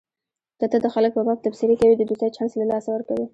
که ته د خلکو په باب تبصرې کوې د دوستۍ چانس له لاسه ورکوې.